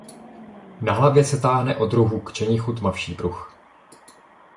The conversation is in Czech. Na hlavě se táhne od rohů k čenichu tmavší pruh.